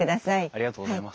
ありがとうございます。